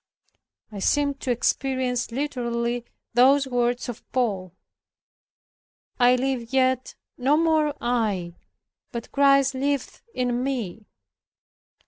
I seemed to experience literally those words of Paul, "I live yet, no more I, but Christ liveth in me."